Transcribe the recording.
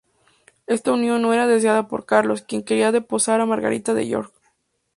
Esta unión no era deseada por Carlos, quien quería desposar a Margarita de York.